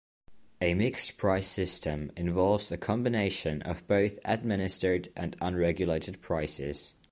A mixed price system involves a combination of both administered and unregulated prices.